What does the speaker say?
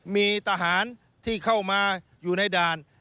มีทหารที่เข้ามาอยู่ในด่าน